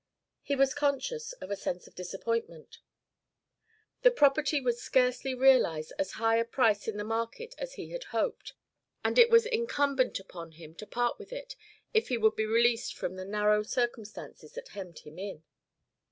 He was conscious of a sense of disappointment. The property would scarcely realize as high a price in the market as he had hoped; and it was incumbent upon him to part with it, if he would be released from the narrow circumstances that hemmed him in.